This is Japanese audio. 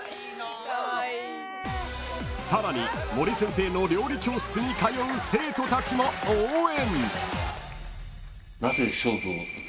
［さらに森先生の料理教室に通う生徒たちも応援］